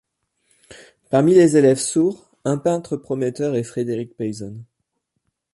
Parmi les élèves sourds, un peintre prometteur est Frédéric Peyson.